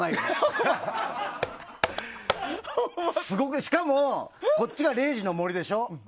すごく、しかも、こっちが０時の森でしょ？